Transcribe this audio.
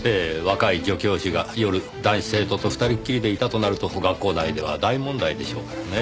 若い女教師が夜男子生徒と２人っきりでいたとなると学校内では大問題でしょうからね。